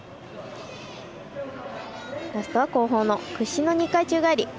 ラストは後方の屈身の２回宙返り。